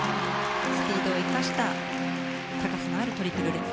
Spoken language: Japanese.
スピードを生かした高さのあるトリプルルッツ。